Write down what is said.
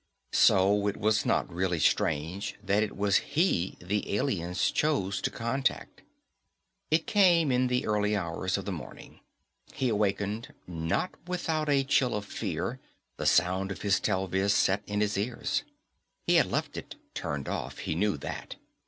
So it was not really strange that it was he the aliens chose to contact. It came in the early hours of the morning. He awakened, not without a chill of fear, the sound of his telviz set in his ears. He had left it turned off, he knew that.